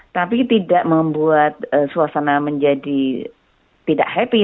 tapi tidak membuat suasana menjadi tidak happy